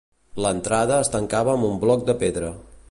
L'entrada es tancava amb un bloc de pedra.